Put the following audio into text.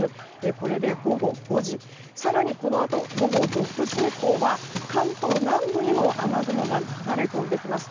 これで午後５時更にこのあと午後６時以降は関東南部にも雨雲が流れ込んできます。